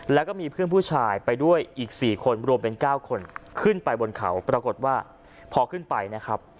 แล้วก็มีเพื่อนผู้ชายไปด้วยอีก๔คนรวมเป็น๙คนขึ้นไปบนเขาปรากฏว่าพอขึ้นไปนะครับ